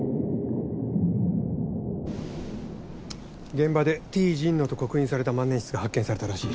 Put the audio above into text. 現場でＴＪｉｎｎｏと刻印された万年筆が発見されたらしい。